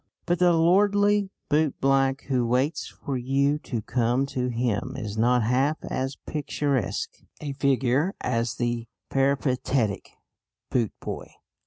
But the lordly bootblack who waits for you to come to him is not half as picturesque a figure as the peripatetic bootboy.